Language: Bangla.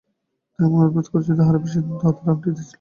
তা, এমন অদ্ভুত করেই যদি হারাবে, সেদিন এত আদরে আংটি দিয়েছিলে কেন।